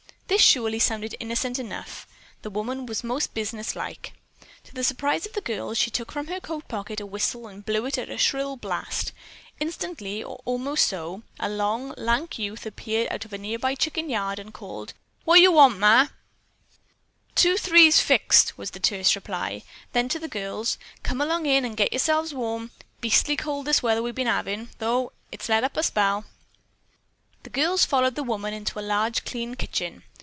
This surely sounded innocent enough. The woman was most business like. To the surprise of the girls, she took from her coat pocket a whistle and blew upon it a shrill blast. Instantly, or almost so, a long, lank youth appeared out of a nearby chicken yard and called, "What yo' want, Ma?" "Two threes fixed," was the terse reply. Then to the girls: "Come along in and get yerselves warm. Beastly cold winter we've been havin', tho' it's let up a spell." The girls followed the woman into a large, clean kitchen.